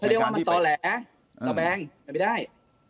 ถ้าเรียกว่ามันต่อแหลต่อแบงไม่ได้